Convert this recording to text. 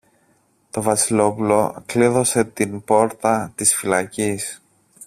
Το Βασιλόπουλο κλείδωσε την πόρτα της φυλακής